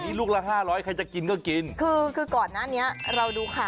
เดี๋ยวฉันจะรอดู